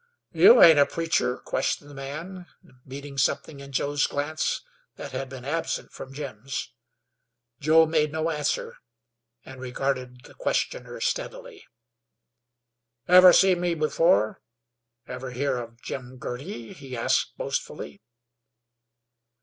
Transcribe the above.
"You ain't a preacher?" questioned the man, meeting something in Joe's glance that had been absent from Jim's. Joe made no answer, and regarded questioner steadily. "Ever see me afore? Ever hear of Jim Girty?" he asked boastfully.